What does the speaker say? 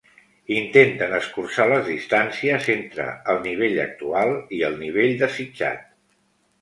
Intenten escurçar les distàncies entre el nivell actual i el nivell desitjat.